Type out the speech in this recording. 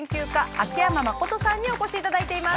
秋山眞人さんにお越しいただいています。